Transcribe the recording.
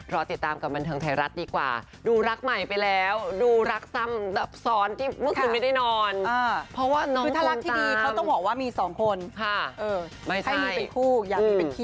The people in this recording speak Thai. รอติดตามกับบันเทิงไทยรัฐดีกว่า